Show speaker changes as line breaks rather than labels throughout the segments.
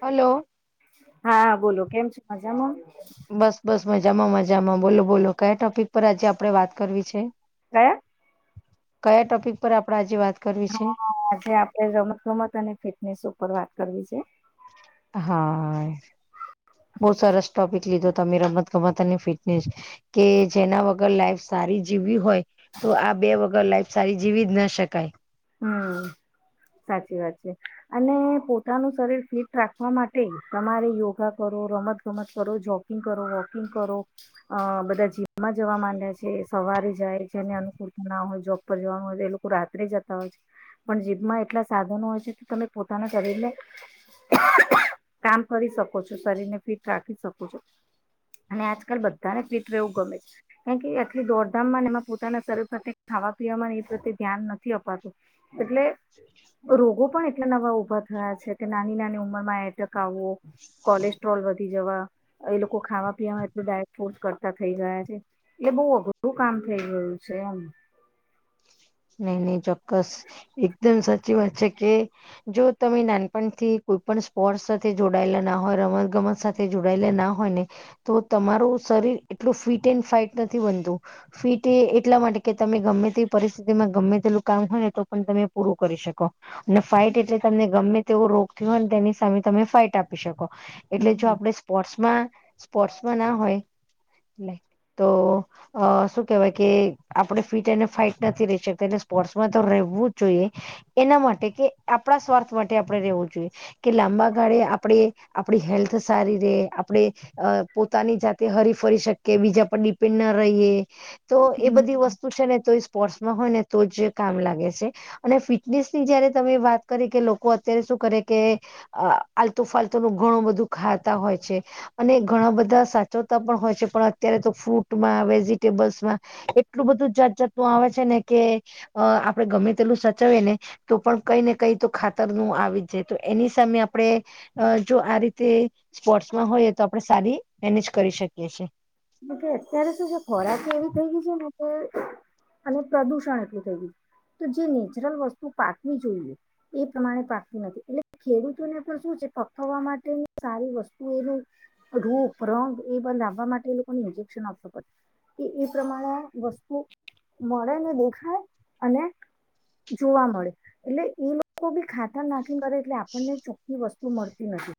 Hello
હા બોલો કેમ [unintelligible] મજામાં.
બસ બસ મજામાં મજામાં બોલો બોલો કયા ટોપિક પર આજે આપડે વાત કરવી છે.
[unintelligible]
કયા ટોપિક પર આપડણે આજે વાત. કરવી છે
હા આજે આપડે રમત ગમત અને ફિટનેસ ઉપર વાત કરવી છે.
હા, બઉ સરસ ટોપિક લીધો તમે રમત ગમત અને ફિટનેસ કે જેના વગર લાઈફ સારી જીવવી હોય તો આ બે વગર લાઈફ સારી જીવી જ ના શકાય,
હમ સાચી વાત છે. અને પોતાનું શરીર ફિટ રાખવા માટે તમારે યોગા કરો રમત ગમત કરો જોગ [unintelligible] વોકિંગ કરો બધા જીમમાં જવા માંડ્યા છે, સવારે જાય જેને અનુ હોય જોબ પર જવાનું હોય તો એ લોકો રાત્રે જ. [unintelligible] પણ જીભમાં એટલા સાધનો હોય છે, કે તમે પોતાના શરીરને. કામ કરી શકો છો શરીર ને ફિટ રાખી શકો છો. અને આજકાલ બધાને ફિટ રહેવું ગમે છે, કારણ કે આટલી દોડધામ એમાં પોતાના ત સાથે. ખાવા પીવા એ પ્રત્યે ધ્યાન નથી અપાતું એટલે. રોગો પણ એટલા નવા ઉભા થયા છે, કે નાની નાની ઉંમર માં એટેક આવવો કોલેસ્ટ્રોલ. વધી જવા. એ લોકો ખાવા પીવામાં એટલ ડાયટ ફોર્સ કરતા થઇ ગયા છે એટલે બઉુ અઘરું કામ થઈ ગયું છે એમ
નહી નહી ચોક્કસ એકદમ સાચી વાત છે કે જો તમે નાનપણથી કોઈપોર્ટ સાથે જોડાયેલા ના હોય રમત ગમત સાથે જોડાયેલા ના હોય ને તો તમારું શર એટલું ફિટ એ ફટ નથી બનતું ફિટ એ એટલા માટે કે તમે ગમે તે ગમે તેલું કામ હોય ને તો પણ તમે પૂરું કરી શકો અને ફાાઈટ એટલે તમને ગમે તેવો રોગ અને તેની સામે તમે ફાઇટ આપી શકો એટલે જો આપણે સ્પોર્ટ્સમાં સ્પોર્ટ્સમાં ના હોય તો શું કેવાય કે આપડ ફિટ અને ફાઈટ નથી રહી શકતા એટલે સ્પોર્ટ્સમાં તો રહેવું જ જોઈએ એના માટે કે આપણા સ્વાર્થ માટે આપણે રવ લાંબા ગાળે આપણે આપ હેલ્થ સારી ર આપણે પોતાની જાતે હરી ફરી શકે બીજા પર ડિપેન્ડ ના રહીએ તો એ બધી
હમ
વસ્તુ છે ને તો સ્પોર્ટ્સમાં હોય ને તો જ કામ લાગે છે અને ફિટનેસ ની જયારે તમે વાત કરી કે લોકો અત્યારે શું કરે આલતુ ફાલતુ ન ઘણું બધું ખાતા હોય છે અને ઘણા બધા સાચ હોય છે પણ અત્યારે તો ફ્રૂટમાં વેજીિટેબલ્સમાં એટલું બધું જાત જાત આવે છે ને કે આપણે ગમે તેટલું સાચવીએ ને તો પણ કઈ ને કઈ તો ખાતર નું આવી જ જાય તો એની સામે આપણે જો આ રીતે સ્પોર્ટસમાં હોઈએ તો આપણે સારી મેનેજ કરી શકીએ છીએ
અત્યારે શું છે ખોરાક એવી થઈ ગઈ છે ને અને પ્રદુષણ એટલું થઈ ગયુ તો જે નેચરલ વસ્તુ પાકવી જોઈએ એ પ્રમાણે પાકતી નથી એટલે ખેડૂતોને પણ શું છે પકવવા માટેની સારી વસ્તુ એનું રૂપ રંગ એ લાવવા માટે ઈન્જેક્શન આપવુ પડે એ પ્રમાણે વસ્તુ મળે ને દેખાય અને જોવા મળે એટલે એ લોકો બી ખાતર નાખી કરે એટલે આપણને ચોખ્ખી વસ્તુ મળતી નથી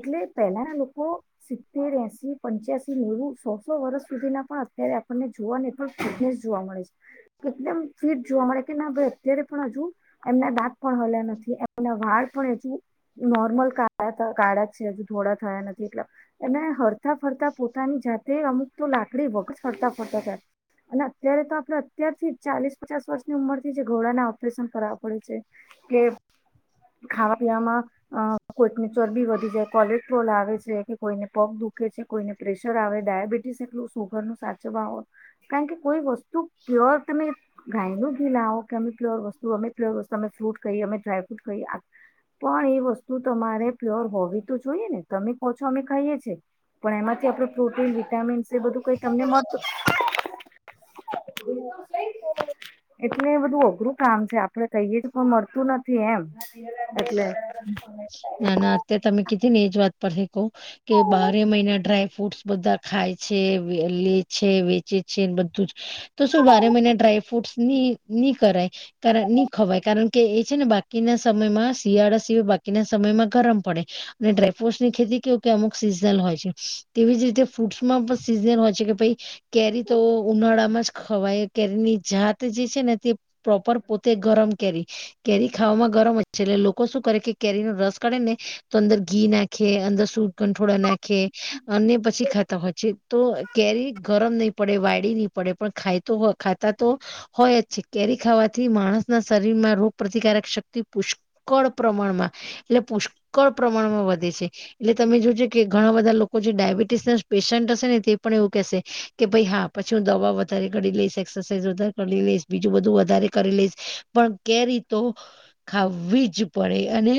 એટલે પહેલાના લોકો સિત્તેર એસી પંચ્યાસી નેવું સો સો વર્ષ સુધી ના પણ અત્યારે આપણને જોવાને પણ ફિટનેસ જોવા મળે છે એકદમ ફિટ જો જોવા મળે કે ન મળે અત્યારે પણ હજુ એમના દાત પણ હાલ્યા નથી એમના વાળ પણ હજુ નોર્મલ કાળા છે હજી ઘોલા થયા નથી એટલે એને હરતાફરતા તો પોતાની જાતે અમુક તો લાકડી વગર ફરતા ફરતા જાય અને અત્યારે તો આપણે અત્યારથી જ ચાલીસ પચાસ વર્ષની ઉંમર થી જ ઘોડાના ઓપરેશન કરાવવા પડે છે કેપ ખાવા પીવામાં કોઈકની ચરબી વધી જાય કોલેસ્ટેરોલ તો આવે છે કે કોઈને પગ દુખે છે કોઈને પ્રેશર આવે ડાયાબિટીસ એટલું સુગર નું સાચવો કારણ કે કોઈ વસ્તુ પ્યોર તમે ગાય ી લાવો કે અમે પ્યોર વસ્તુ અમે પ્યોર વસ્તુ અમે ફ્રૂટ કહિયે અમે ડ્રાયફ્રટ ક પણ એ વસ્તુ તમારે પ્યોર હોવી તો જોઈએ ને તમે ઓછો અમે ખાઈએ છીએ પણ એમાંથી આપડું પ્રોટીન વિટામીનસ એ બધું કઈ તમને મળતું એટલે બધું અઘરું કામ છે આપડે કહીય પણ મળતું નથી એમ એટલે
ના ના અત્યારે તમે કીધી ને એ જ વાત તને કહુ કે બારે મહિના ડ્રાય ફ્રૂટસ બધા ખાય છે લે છે વેચે છૈ બધું જ તો શું બારે મહિને ડ્રાયફ્રૂટ ની કરાય તારાથી ની ખવાય કારણ કે એ છે ને બાકીના સમયમાં શિયાળા સીવાય બાકીના સમયમાં ગરમ પડે અને ડ્રાયફ્રુટસની ખેતી કેવું કે અમુક સિઝનલ હોય છે તેવી જ રીતે ફૂટ્સમાં પણ સિઝનલ હોય છે કે ભાઈ કેરી તો ઉનાળામાં જ ખવાય કેરીની જાત જે છે ને તે પ્રોપર પોતે ગરમ કેરી કેરી ખાવામાં ગરમ એટલે લોકો શું કરે કે કેરીનો રસ કાઢે ને તો અંદર ઘી નાખે અંદર સૂઢ ગંઠોડા નાખે અને પછી ખાતા હોય છે તો કેરી ગરમ નહી પડે વાયડી નહી પડે પણ ખાયતો હોય ખાતા તો હોય જ છે કેરી ખાવાથી માણસ ના શરીર માં રોગ પ્રતિકારક શક્તિ પુષ્ ક પ્રમાણમાં એટલે પુષ્કળ પ્રમાણમાં વધે છે એટલે તમે જોજો કે ઘણા બધા લો કો જે ડાયાબિટીસ ના પેશન્ટ હશે ને તે પણ એવું કહેશે કે ભાઈ હા પછી હું દવા વધારે ગડી લઈશ. સહેજ વધારે કરી લઈશ બીજું બધું વધારે કરી લઈશ પણ કેરી તો ખાવ વીજ પડે અને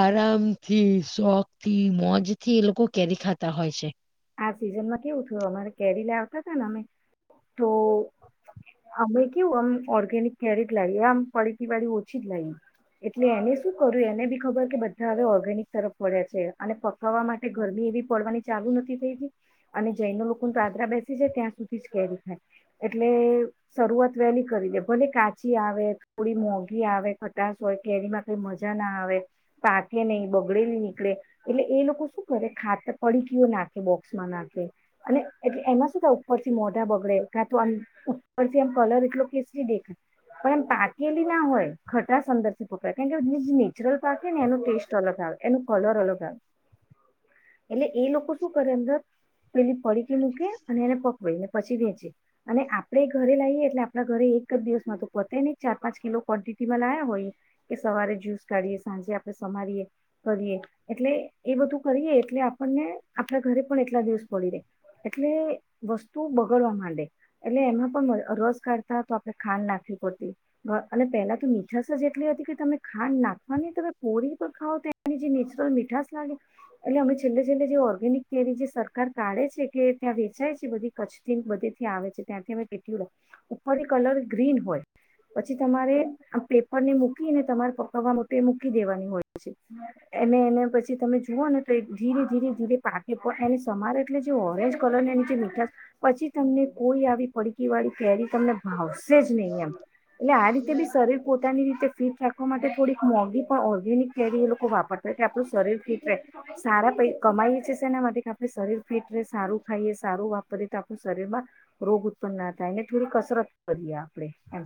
આરામથી શોખ થી મોજ થી એ લોકો કેરી ખાય થતા હોય છે.
આ સિઝનમાં કેવું થયું અમારે કેરી લાવતા હતા ને અમે તો અમે કેવું આમ ઓર્ગેનિક ક્યારેક લાવીએ આમ પળીકી વાળીઓછી જ લાવીએ. એટલે એને શું કર્યું એને બી ખબર કે બધા હવે ઓર્ગેનિક તરફ વળ્યા છે અને પકાવવા માટે ગરમી એવી પડવાની ચાલુ નથ [unintelligible] અને જેન લોકો દાદરા બેસી જાય ત્યાં સુધી જ કેરી ખાય એટલે શરૂઆત વહેલી કરી દે ભલે કાચી આવે થોડી મોંઘી આવે ખટાશ હોય કેરીમાં કઈ મજા ના આ ના આવે પાકે નહી બગડેલી નીકળે એટલે એ લોકો શું કરે ખાતર પડીકીઓ નાખ બોક્સમાં નાખે અને એટલે એમાં શું થાય ઉપરથી મોઢા બગડે કાં તો ઉપરથી એમ કલર એટલો કેસરી દેખાય. પણ એમ પાકેલી ના હોય ખટાસ અંદરથી પકડ કેમ કે જે નેચરલ પાકે ને એનો ટેસ્ટ અલગ આવ વે એનું કલર અલગ આવે. એટલે એ લોકો શું કરે અંદર પેલી પડીકી મૂકે અને એને પકવેને પછી વેચે અને આપણેે ઘરે લઈએ એટલે આપણા ઘરે એક જ દિવસમાં તો પતાય ને ચાર પાંચ કિલો ક્ન્ટિટીમાં લાયા હોયએ કે સવારે જ્યુસ કાઢીએ સાંજે આપણે સમારીએ કરીએ એટલે એ બધું કરીએ એટલે આપણને આપણા ઘરે પણ એટલા દિવસ પડી રહેે એટલે વસ્તુ બગડવા માંડે એટલે એમાં પણ રસ કાઢતા તો આપણે ખાંડ નાખવી પડતી અને પેલા તો મીઠાસ જ એટલી હતી કે તમે ખાંડ નાખવાની તમે પોરી ત ખાવ તે જે નેચરલ મીઠાસ લાગે એટલે અમે છેલ્લે છેલ્લે જે ઓ ર્ગેનિક જે સરકાર કાઢે છે કે ત્યાં વેચાય છે બધી કચ્છથી બધીથી આવે છે ત્યાંથી અમે પટી ઉપરથી કલર ગ્રીન હોય. પછી તમારે આ પેપરને મૂકીને તમારે પપ્પાવા માટે એ મૂકી દેવાની હોય છે. અને એને પછી તમે જુઓ ને તો ધીરે ધીરે ધીરે પાકે એ સમારે એટલે જે ઓરેન્જ કલર એની જે મીઠા પછી તમને કોઈ આવી પડકી વાર કેરી તમને ભાવશે જ નહીં એમ. એટલે આ રીતે બી શરીર પોતાની રીતે ફિટ રાખવા માટે થોડીક મોંઘી પણ ઓર્ગેનિક કેરી એ લોકો વાપરતા એ આપું શરીર ફીટ રે સારા પેઇ કમાયસે ના માટે આપણે શરીર ફીટ ર સારું ખાઈએ સારું વાપરીએ તો આપણું શરીરમાં રોગ ઉત્પન્ન ના થાય. ને થોડી કસરત કરીએ આપડે એમ.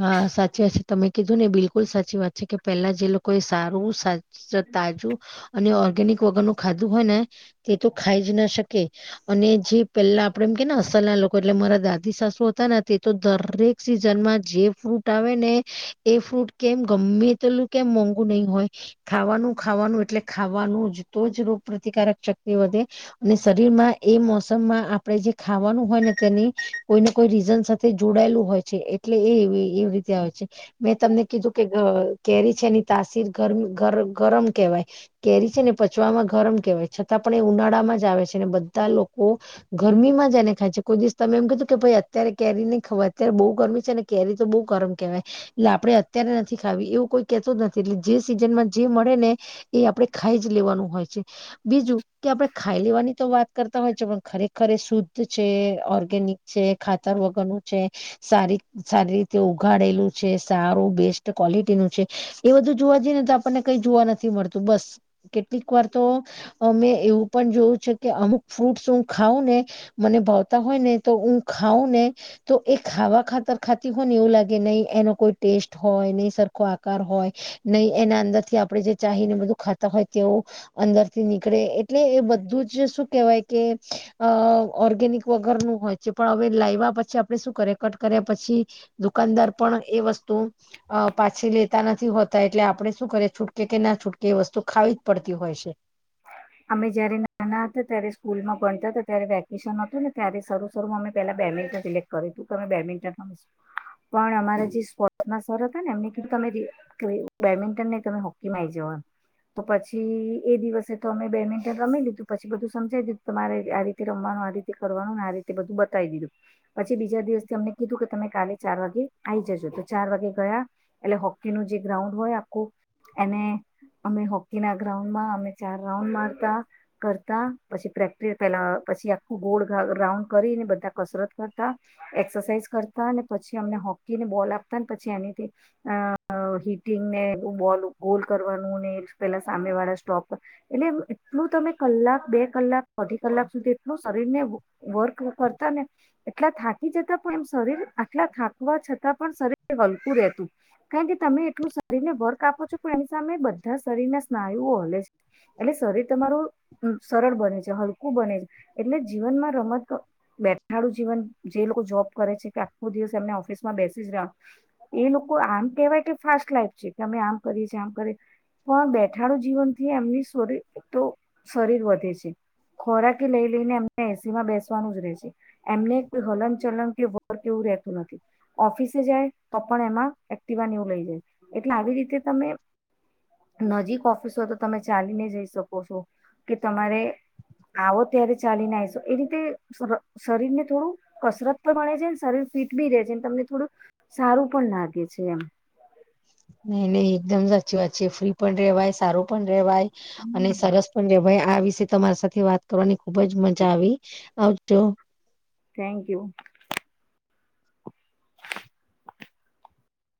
હા સાચી વાત છે તમે કીધું ને બિલકુલ સાચી વાત છે કે પેલા જે લોકો એ સારું સા સ તાજું અને ઓર્ગેનિક વગર ન ખાધું હોય ને તે તો ખાઈ જ ના શક કે અને જે પેલા આપડે એમ કે ને અસલના લોકો એટલે મારા દાદી સાસુ હતા ને તે તો દરેક સિઝનમાં જે ફ્રૂટ આવે ને એ ફ્રૂટ કેમ ગમે તેલું કેમ મોંઘુ નહીં હોય ખાવાનું ખાવાનું એટલે ખાવાનું જ તો જ રોગ પ્ર્રતિકારક શક્તિ વધે અને શરીર મા એ મોસમમાં આપે જે ખાવાનું હોય ને તેની કોઈને કોઈ રીઝન સાથે જોડાયેલું હોય. છે એટલે એ એવી રીતે આવે છે મેં તમને કીધું કે કેરી છે એની તાસીર ગરમી ગર ગરમ કવાય કેરી છે ને પચવામાં ગર કેવાય છતાં પણ એ ઉનાળામાં જ આવે છે ને બધ ધા લોકો ગરમીમાં જને ખાય છે કોઈ દિવસ તમે એમ કીધું કે ભાઈ અત્યારે કેરી નહી ખવા અત્યારે બહ ગરમી છે કેરી તો બહ ગરમ કેવાય એટલે આપણે અત્યારે નથી ખાવી એવું કોઈ કેતો જ નથી એટલે જે સીઝન મા જે મળે ને એ આપણે ખાઈ જ લેવાનું હોય છે બીજું કે આપણે ખાઈ લેવાની તો વાત કરતા હોય છે પણ ખરેખર શુદ્ધ છે ઓર્ગેનિક છે ખાતર વગરનું છે. સારી સારી રીતે ઉઘાડેલું છે સારું બેસ્ટ ક્વોલિટી નું છે એ બધું જોવા જઈએ ને તો આપણને કઈ જોવા નથી મળતું બસ કેટલીક વાર તો મેં એવું પણ જોયું છે કે અમુક ફ્રૂટસ હું ખઉં ને મને ભાવતા હોય ને તો હું ખઉં ને તો એક ખાવા ખાતર ખાતી હોને એવું લાગે નહી એનો કોઈ ટેસ્ટ હોય નહ સરખો આકાર હોય નહી એના અંદર થી આપણેે જે ચાહી ને બધું ખાતા હોય તેવ અંદર થી નીકળે એટલે એ બધું જ શુ કેવાય કે અ ઓર્ગેનિક વગર નું હોય છે પણ હવે લાવવા પછી આપડે શું કરે ટ કર્યા પછી દુકાનદાર પણ એ વસ્તુ પાછી લેતા નથી હોતા એટલે આપ આપડણે શું કરીએ છૂટકે કે ના છૂટકે એ વસ્તુ ખાવી જ પડતી હોય છે
[unintelligible] અમે જયારે નાના હતા ત્યારે સ્કૂલમાં ભણતા હતા ત્યારે વેકેશન હતું ને ત્યારે શ શરૂું અમે પેલા બેલા સક કરે તું તમે બેડમિન્ટન પણ અમારા જે સ્પોર્ટ્સ શર હતા ને એમનેધું તમે બેડમિન્ટન ને તમે હોકીમાં આવી જઓ તો પછી એ દિવસ તો અમે બે મિનટન રમી લીધું પછી બધું સમજાવીધું તમારે આ રીતે રમવાનું આ રીતે કરવાનુંને આ રીતે બધું બ બતાવી દીધું પછી બીજા દિવસથી અમને કીધું કે તમે કાલે ચાર વાગે આ આવી જજો તો ચાર વાગે ગયા એટલે હોકીનુંું જે ગ્રાઉન્ડ હોય આખું એને અમે હોકી ના ગ્રાઉન્ડમાં અમે ચાર રાઉન્ડ મારતા કરતા પછી પ્રેક્ટસ પેલા પછી આખું ગોળ રાઉન્ડ કરી બધા કસરત કરતા એક્સરસાઇઝ કરતા પછી અમને હોકીને બોલ આપતા પછી એનીથી અ હિટિંગને બોલ ગોલ કરવાનું પેલા સામે વાળા સ્ટોક એટલે એટલું તમે કલાક બે કલાક અધી કલાક સુધી એટલું શરીર ને વર્ક કરતા ને એટલા થાકી જતા પણ એમ શરીર આટલા થાકવા છતાં પણ શરીર વલકું રહે. કારણ કે તમે એટલું શરીરને વર્ક આપો છો પણ એની સામે બધા શરીર ના સ્નાયુઓ હલે છે. એટલે શરીર તમારું સરળ બને છે હલકું બને છે એટલે જીવનમાં રમત બેઠાડું જીવન જે લોકો જોબ કરે છે કે આખો દિવસ એમને ઓફિસમાં બેસી જ રહ એ લોકો આમ કેહેવાય કે ફાસ્ટ લાઈફ છે કે અમે આમ કરીએ છીએ આમ કરી પણ બેઠાનુંું જીવન થી એમની શરી તો શરીર વધે છે ખોરાકી લઈ લઈને એમને એસી માં બેસવાનું જ રહે છે એમને કોઈ હલન ચલન વર્ક એવું રહેતું નથી ઓફિસે જાય તો પણ એમાં એક્ટિવાને એવું લઈ જાય એટલે આવી રીતે તમે નજીક ઓફિસ તો તમે ચાલીને જઈ શકો છો કે તમારે આવો ત્યારે ચાલી નાશો એ રીતે શરીર ને થોડું કસરત પણ મળે છે શરીર ફિટ બી રે છે તમને થોડું સારું પણ લાગે છે એમ
નહી નહી એકદમ સાચી વાત છે ફ્રી પણ રેવાય સારું પણ વાય
હમ
અને સરસ પણ વા ભાઈ આ વિષ તમારી સાથે વાત કરવાની ખુબ જ મજા આવી આવજો
થેન્ક યુ.